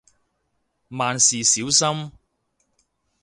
萬事小心